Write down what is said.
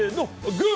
グー！